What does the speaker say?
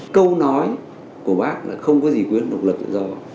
câu nói của bác là không có gì quý hơn độc lập tự do